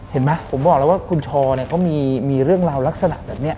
เห็นไหมผมบอกแล้วว่าคุณชอเนี่ยเขามีเรื่องราวลักษณะแบบนี้